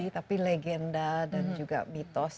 tapi legenda dan juga mitos